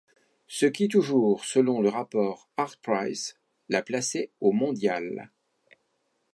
Ce qui toujours selon le rapport artprice l'a placé au mondial.